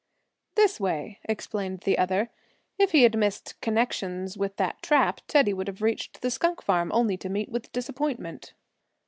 "This way," explained the other. "If he had missed connections with that trap Teddy would have reached the skunk farm only to meet with disappointment."